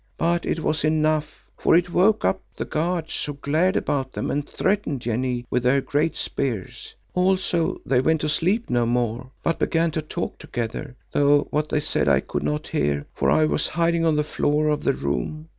But it was enough, for it woke up the guards who glared about them and threatened Janee with their great spears, also they went to sleep no more, but began to talk together, though what they said I could not hear, for I was hiding on the floor of the room.